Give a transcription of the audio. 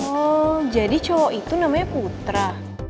oh jadi cowok itu namanya putra